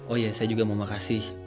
oh ya saya juga mau makasih